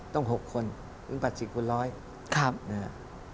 ต้อง๖คนวิ่งผ่านสิบคุณร้อย